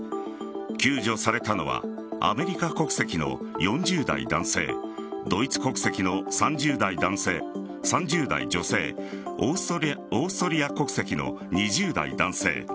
救助されたのはアメリカ国籍の４０代男性ドイツ国籍の３０代女性オーストリア国籍の２０代男性。